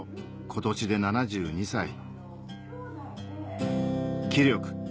今年で７２歳気力